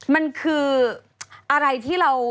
มันคืออะไรที่เรา